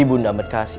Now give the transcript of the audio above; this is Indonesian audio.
ibu nambet kasih